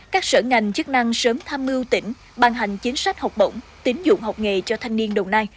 các sở ngành chức năng sớm tham mưu tỉnh ban hành chính sách học bổng tín dụng học nghề cho thanh niên đồng nai